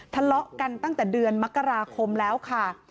ทะเลาะกันตั้งแต่เดือนมกราคมแล้วค่ะ